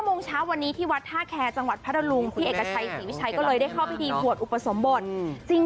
โมงเช้าวันนี้ที่วัดท่าแคร์จังหวัดพัทธลุงพี่เอกชัยศรีวิชัยก็เลยได้เข้าพิธีบวชอุปสมบท